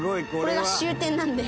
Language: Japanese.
「これが終点なんで」